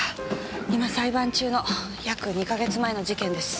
今裁判中の約２か月前の事件です。